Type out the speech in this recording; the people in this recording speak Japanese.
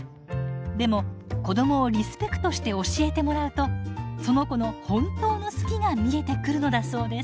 でも子どもをリスペクトして教えてもらうとその子の本当の「好き」が見えてくるのだそうです。